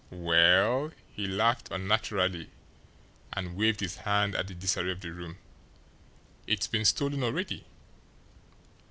"Well" he laughed unnaturally and waved his hand at the disarray of the room "it's been stolen already."